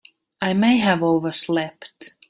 I may have overslept.